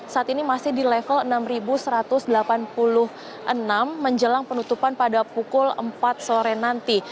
saat ini masih di level enam satu ratus delapan puluh enam menjelang penutupan pada pukul empat sore nanti